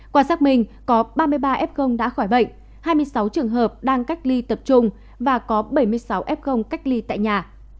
qua xác minh có ba mươi ba f đã khỏi bệnh hai mươi sáu trường hợp đang cách ly tập trung và có bảy mươi sáu f cách ly tại nhà